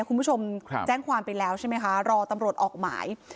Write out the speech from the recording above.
คุณผู้ชมแจ้งความไปแล้วใช่ไหมคะรอตำรวจออกหมาย